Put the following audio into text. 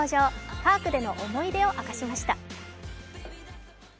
パークでの思い出を明かしました。